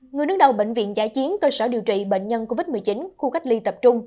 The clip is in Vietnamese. người đứng đầu bệnh viện giã chiến cơ sở điều trị bệnh nhân covid một mươi chín khu cách ly tập trung